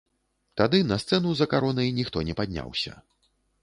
Тады на сцэну за каронай ніхто не падняўся.